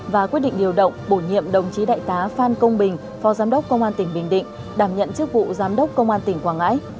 và quyết định điều động bổ nhiệm đồng chí đại tá phan công bình phó giám đốc công an tỉnh bình định đảm nhận chức vụ giám đốc công an tỉnh quảng ngãi